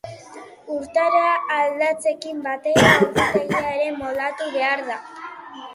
Urtaroa aldatzearekin batera ordutegia ere moldatu beharko da.